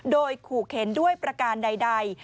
โดยขู่เข็นด้วยประการใด